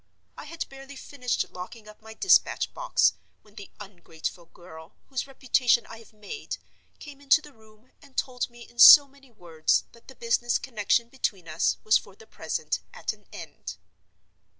I had barely finished locking up my dispatch box, when the ungrateful girl, whose reputation I have made, came into the room and told me in so many words that the business connection between us was for the present at an end.